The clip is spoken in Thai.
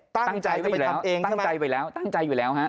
ตั้งใจให้ไปทำเองใช่ไหมตั้งใจอยู่แล้วตั้งใจอยู่แล้วฮะ